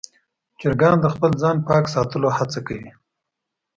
چرګان د خپل ځان پاک ساتلو هڅه کوي.